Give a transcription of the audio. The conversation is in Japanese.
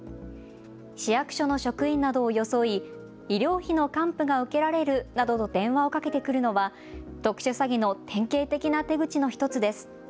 市役所の職員などを装い医療費の還付が受けられるなどと電話をかけてくるのは特殊詐欺の典型的な手口の１つです。